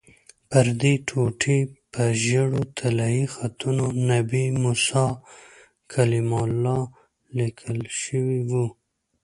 پردې ټوټې په ژېړو طلایي خطونو 'نبي موسی کلیم الله' لیکل شوي وو.